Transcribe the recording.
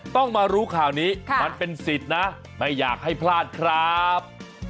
ต้องมารู้ข่าวนี้มันเป็นสิทธิ์นะไม่อยากให้พลาดครับ